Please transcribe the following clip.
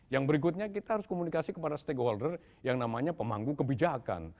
yang berikutnya kita harus komunikasi kepada stakeholder yang namanya pemangku kebijakan